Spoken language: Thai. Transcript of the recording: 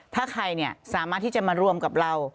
ถ้าใครสามารถที่จะมารวมกับเรา